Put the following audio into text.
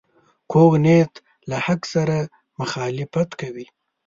کوږ نیت له حق سره مخالفت کوي